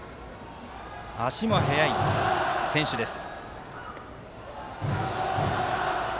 足も速い選手です。